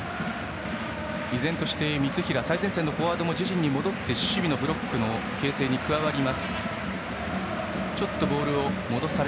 依然として三平最前線のフォワードも自陣に戻って守備のブロックの形成に加わります。